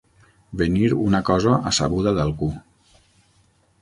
Venir una cosa a sabuda d'algú.